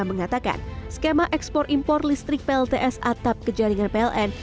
mengatakan skema ekspor impor listrik plts atap ke jaringan pln